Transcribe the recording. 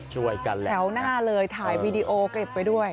ช่วยกันแหละแถวหน้าเลยถ่ายวีดีโอเก็บไปด้วย